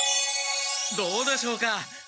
どうでしょうか？